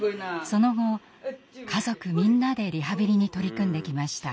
その後家族みんなでリハビリに取り組んできました。